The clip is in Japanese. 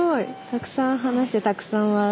「たくさん話してたくさん笑う」。